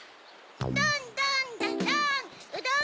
どんどんどどん！